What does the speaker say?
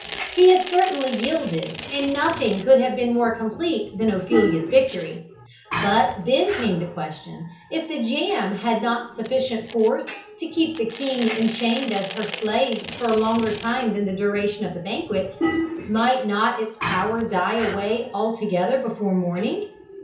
He had certainly yielded, and nothing could have been more complete than Ophelia's victory. But then came the question, if the jam had not sufficient force to keep the king enchained as her slave for a longer time than the duration of the banquet, might not its power die away altogether before morning?